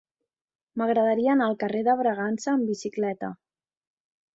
M'agradaria anar al carrer de Bragança amb bicicleta.